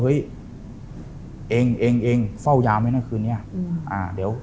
เฮ้ยเองเองเองเฝ้ายามไว้หน้าคืนนี้